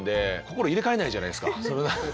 心入れ替えないじゃないですか。